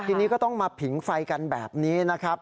ทีนี้ก็ต้องมาผิงไฟกันแบบนี้นะครับ